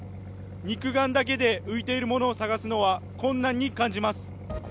肉眼だけで浮いているものを捜すのは困難に感じます。